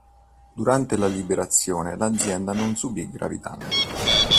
Durante la liberazione l'azienda non subì gravi danni.